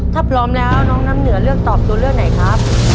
ถ้าพร้อมแล้วน้องน้ำเหนือเลือกตอบตัวเลือกไหนครับ